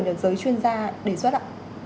nhà giới chuyên gia đề xuất ạ